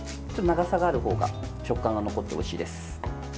長さがあるほうが食感が残っておいしいです。